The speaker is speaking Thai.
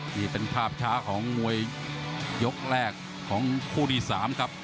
นี่เป็นภาพช้าของมวยยกแรกของคู่ที่๓ครับ